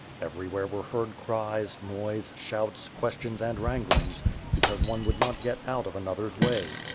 Everywhere were heard cries, noise, shouts, ques tions and wranglings, because one would not get out of an other's way.